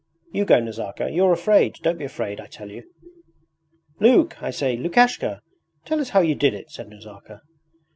You go, Nazarka. You're afraid! Don't be afraid, I tell you.' 'Luke, I say, Lukashka! Tell us how you did it!' said Nazarka.